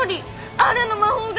あるの魔法が。